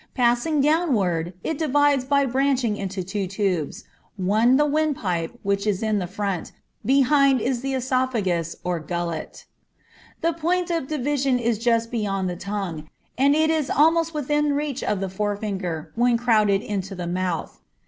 Passing downward, it divides by branching into two tubes; one the windpipe, which is in front, behind it is the oesophagus or gullet. The point of division is just beyond the tongue, and is almost within reach of the forefinger when crowded into the mouth.